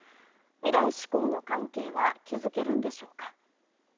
未来志向の関係は築けるんでしょうか。